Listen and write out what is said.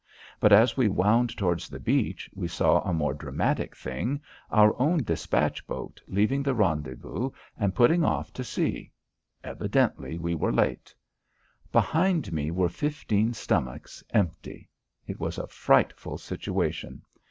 But as we wound towards the beach we saw a more dramatic thing our own despatch boat leaving the rendezvous and putting off to sea. Evidently we were late. Behind me were fifteen stomachs, empty. It was a frightful situation.